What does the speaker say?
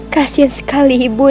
kasian sekali ibu